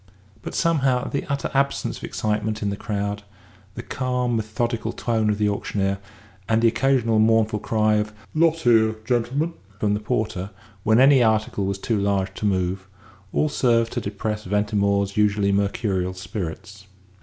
But somehow the utter absence of excitement in the crowd, the calm, methodical tone of the auctioneer, and the occasional mournful cry of "Lot here, gentlemen!" from the porter when any article was too large to move, all served to depress Ventimore's usually mercurial spirits.